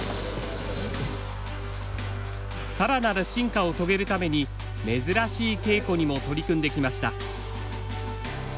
更なる進化を遂げるために珍しい稽古にも取り組んできました。